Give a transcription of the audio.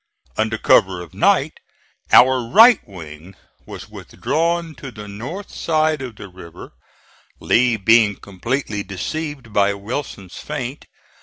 Under cover of night our right wing was withdrawn to the north side of the river, Lee being completely deceived by Wilson's feint.